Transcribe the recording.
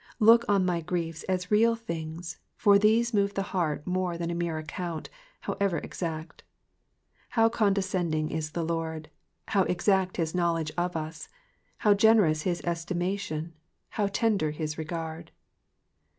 Look on my griefs as real things, for these move the heart more than a mere account, however exact. How condescending is the Lord ! How exact his knowledge of us I How generous his estimation I How tender his regard